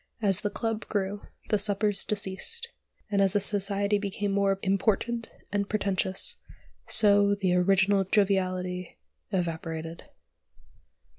As the club grew, the suppers deceased; and, as the society became important and pretentious, so the original joviality evaporated.